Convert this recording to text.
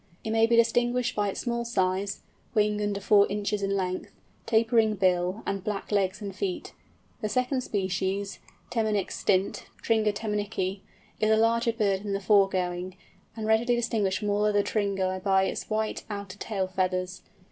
It may be distinguished by its small size (wing under 4 inches in length), tapering bill, and black legs and feet. The second species, Temminck's Stint (Tringa temmincki), is a larger bird than the foregoing, and readily distinguished from all other Tringæ by its white outer tail feathers.